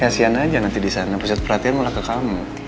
kasian aja nanti di sana pusat pelatihan malah ke kamu